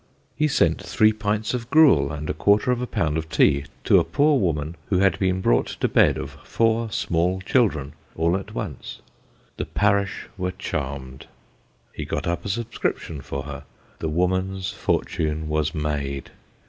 He sent three pints of gruel and a quarter of a pound of tea to a poor woman who had been brought to bed of four small children, all at once the parish were charmed. He got up a subscription for her the woman's fortune was made.